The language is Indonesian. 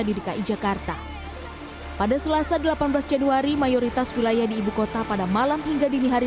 di dki jakarta pada selasa delapan belas januari mayoritas wilayah di ibu kota pada malam hingga dini hari